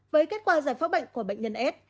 với kết quả giải phóng bệnh của bệnh nhân s